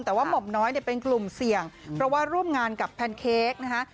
แต่ว่าหม่อมน้อยเนี่ยเป็นกลุ่มเสี่ยงเพราะว่าร่วมงานกับแพนเค้กนะคะ